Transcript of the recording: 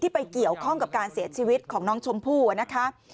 ไปเกี่ยวข้องกับการเสียชีวิตของน้องชมพู่นะคะ